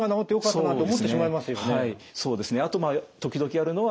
そうですね。